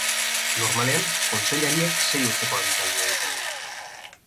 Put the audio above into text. Normalean, kontseilariak sei urteko agintaldia egiten dute.